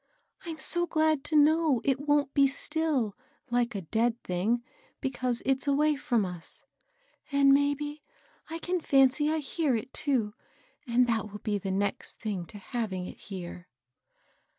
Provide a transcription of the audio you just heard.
"I'm so glad to know it wont be still, like a dead thing, because it's away from us. And maybe I can iancy I hear it, too ; and that will be the next thing to having it here."